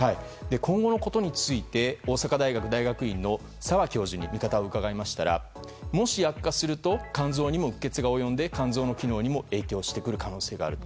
今後のことについて大阪大学大学院の澤芳樹教授に伺いましたらもし悪化すると肝臓にもうっ血が及んで肝臓の機能にも影響してくる可能性がある。